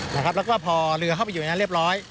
นะครับแล้วก็พอเรือเข้าไปอยู่อย่างนั้นเรียบร้อย